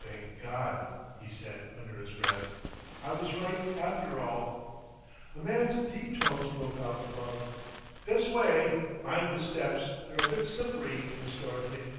"Thank God!" he said under his breath. "I was right, after all!" A man's deep tones broke out above. "This way. Mind the steps; they're a bit slippery, Miss Dorothy."